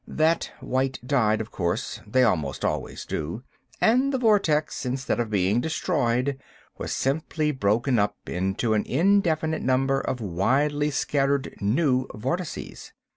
That wight died, of course—they almost always do—and the vortex, instead of being destroyed, was simply broken up into an indefinite number of widely scattered new vortices.